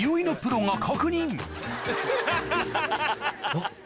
あっ。